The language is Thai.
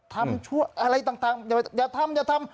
ทำอะไรต่างอย่าทำอย่าทำ